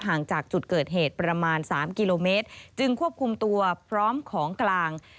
ห่างจากจุดเกิดเหตุประมาณ๓กิโลเมตรจึงควบคุมตัวพร้อมของกลาง